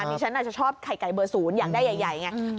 อันนี้ฉันอาจจะชอบไข่ไก่เบอร์๐อย่างได้ใหญ่อย่างนี้